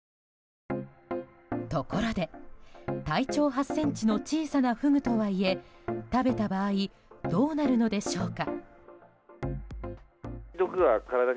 ところで、体長８ｃｍの小さなフグとはいえ食べた場合どうなるのでしょうか。